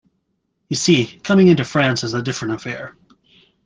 You see, coming into France is a different affair.